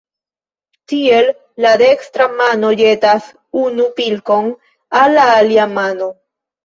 Tiel, la dekstra mano ĵetas unu pilkon al la alia mano.